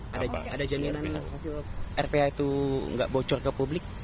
ada jaminan hasil rph itu nggak bocor ke publik